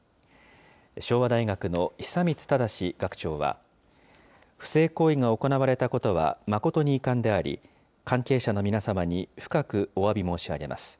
昭和大学の久光正学長は、不正行為が行われたことは誠に遺憾であり、関係者の皆様に深くおわび申し上げます。